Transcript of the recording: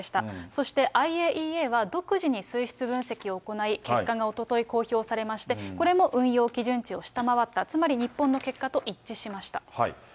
そしてＩＡＥＡは、独自に水質分析を行い、結果がおととい公表されまして、これも運用基準値を下回った、つまり日本の結果と一致しました。